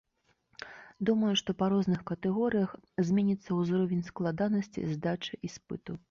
Думаю, што па розных катэгорыях зменіцца ўзровень складанасці здачы іспыту.